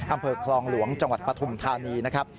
อำเภอคลองหลวงจังหวัดปฐุมธานีนะครับ